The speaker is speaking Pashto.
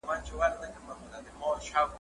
دومره لوړ سو چي له سترګو هم پناه سو ,